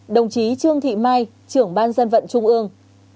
một mươi một đồng chí trương thị mai trưởng ban dân vận trung ương